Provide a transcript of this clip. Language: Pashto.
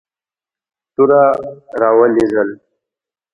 توره را ولېږل.